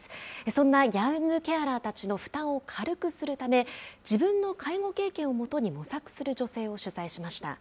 そんなヤングケアラーたちの負担を軽くするため、自分の介護経験を基に模索する女性を取材しました。